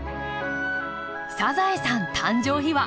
「サザエさん」誕生秘話。